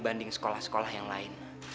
bantu aku ya allah